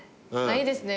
いいですね